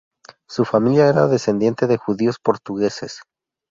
Su familia era descendiente de judíos portugueses.